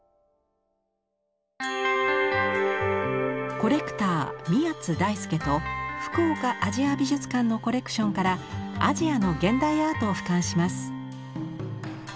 コレクター宮津大輔と福岡アジア美術館のコレクションからアジアの現代アートを俯瞰します。